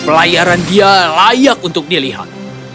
pelayaran dia layak untuk dilihat